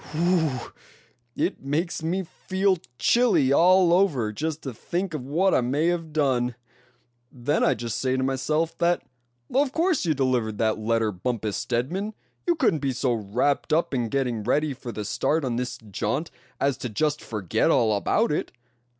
Whew! it makes me feel chilly all over just to think of what I may have done. Then I just say to myself that of course you delivered that letter Bumpus Stedman; you couldn't be so wrapped up in getting ready for the start on this jaunt as to just forget all about it.